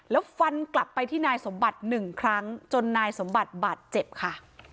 แล้วฟันกลับไปที่นายสมบัติหนึ่งครั้งจนนายสมบัติบาดเจ็บค่ะ